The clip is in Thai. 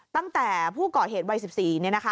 ตั้งแต่ผู้ก่อเหตุวัย๑๔เนี่ยนะคะ